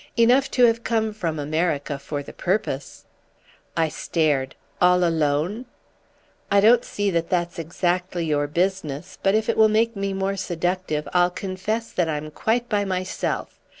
"Enough to have come from America for the purpose." I stared. "All alone?" "I don't see that that's exactly your business, but if it will make me more seductive I'll confess that I'm quite by myself.